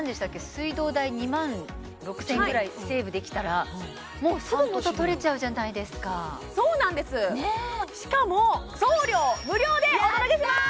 水道代２万６０００円ぐらいセーブできたらもうすぐ元取れちゃうじゃないですかそうなんですしかも送料無料でお届けします！